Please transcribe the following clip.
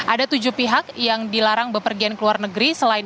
ada tujuh pihak yang dilarang bepergian ke luar negeri